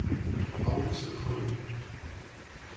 August erfolgen.